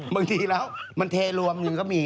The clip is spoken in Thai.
บางทีแล้วมันเทรวมหนึ่งก็มี